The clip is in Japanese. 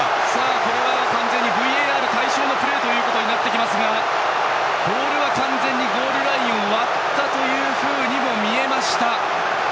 これは完全にＶＡＲ対象のプレーとなりますがボールは完全にゴールラインを割ったように見えました。